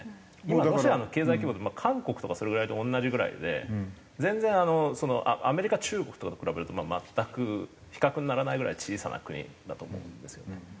今ロシアの経済規模って韓国とかそれぐらいと同じぐらいで全然あのアメリカ中国とかと比べると全く比較にならないぐらい小さな国だと思うんですよね。